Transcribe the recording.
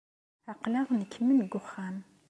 Aql-aɣ nekmen deg wexxam.